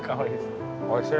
おいしい。